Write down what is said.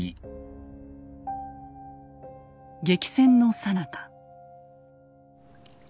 激戦のさなか。